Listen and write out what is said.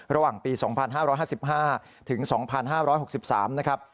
ระหว่างปี๒๕๕๕ถึง๒๕๖๓นะครับ